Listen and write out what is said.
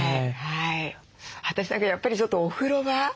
私やっぱりちょっとお風呂場。